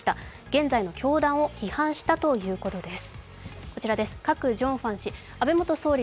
現在の教団を批判したということです。